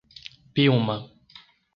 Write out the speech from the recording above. Piúma